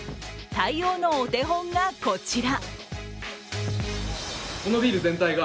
対応のお手本がこちら。